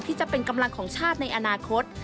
ที่จะเป็นกำลังของชาติในอนาคต